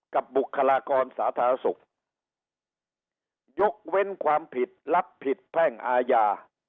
บุคลากรสาธารณสุขยกเว้นความผิดรับผิดแพ่งอาญา